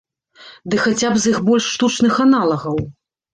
Ды хаця б з іх больш штучных аналагаў?